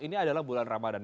ini adalah bulan ramadhan